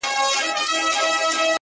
هغه چي هيڅوک نه لري په دې وطن کي؛